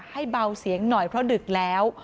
ให้เบาเสียงหน่อยเพราะดึกแล้ว